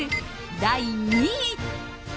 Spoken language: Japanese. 第２位。